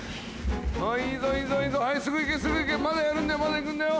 いいぞいいぞすぐいけすぐいけまだやるんだよまだいくんだよ。